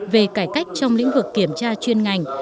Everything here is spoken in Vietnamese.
về cải cách trong lĩnh vực kiểm tra chuyên ngành